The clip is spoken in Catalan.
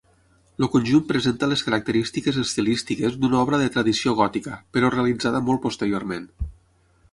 El conjunt presenta les característiques estilístiques d'una obra de tradició gòtica, però realitzada molt posteriorment.